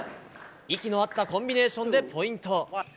息の合ったコンビネーションでポイント。